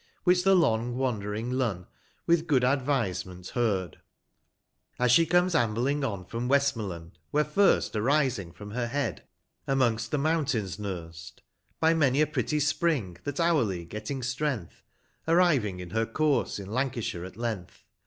Which the long wand'ring Lou, with good advisement heard, As she comes ambling on from ircstuwland, where first Arising from lier head, amongst the JMountains nurst, I'.io By many a pretty spring, that hourly getting strength, Airiving in her course in Ltmaisltiir at length.